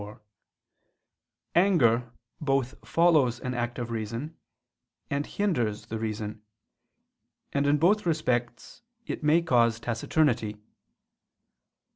4), anger both follows an act of reason, and hinders the reason: and in both respects it may cause taciturnity.